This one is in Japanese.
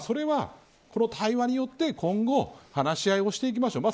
それはこの対話によって、今後話し合いをしていきましょう。